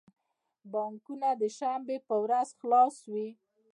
بانکونه د شنبی په ورځ خلاص وی